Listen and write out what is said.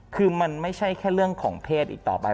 คือมันไม่ใช่แค่เรื่องของเพศอีกต่อไป